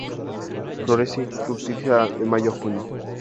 Florece y fructifica de Mayo a Junio.